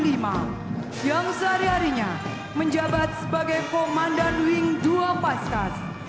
tahun seribu sembilan ratus sembilan puluh lima yang sehari harinya menjabat sebagai komandan wing dua paskas